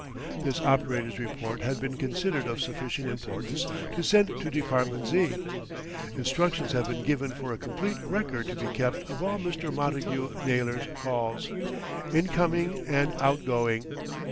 This operator's report had been considered of sufficient importance to send to Department Z. Instructions had been given for a complete record to be kept of all Mr. Montagu Naylor's calls, in coming and out going.